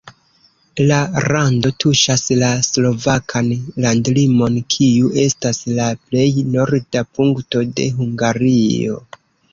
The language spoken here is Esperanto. La rando tuŝas la slovakan landlimon, kiu estas la plej norda punkto de Hungario.